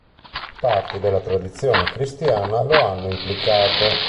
Parti della tradizione cristiana lo hanno implicato.